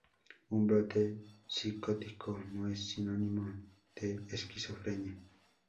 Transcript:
Un brote psicótico no es sinónimo de esquizofrenia.